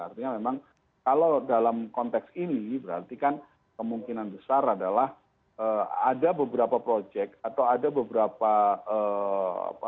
artinya memang kalau dalam konteks ini berarti kan kemungkinan besar adalah ada beberapa proyek atau ada beberapa